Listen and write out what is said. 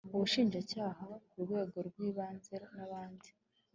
Ubushinjacyaha ku rwego rw Ibanze n abandi